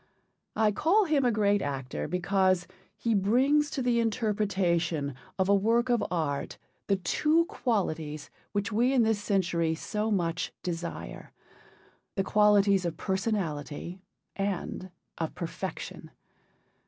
I call him a great actor because he brings to the interpretation of a work of art the two qualities which we in this century so much desire, the qualities of personality and of perfection.